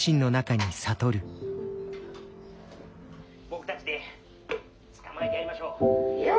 「僕たちで捕まえてやりましょう」。